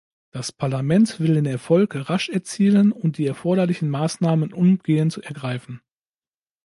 Das Parlament will den Erfolg rasch erzielen und die erforderlichen Maßnahmen umgehend ergreifen.